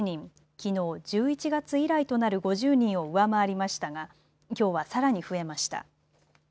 きのう、１１月以来となる５０人を上回りましたがきょうはさらに増えました。